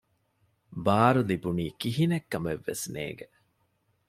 ބާރު ލިބުނީ ކިހިނެތް ކަމެއް ވެސް ނޭނގެ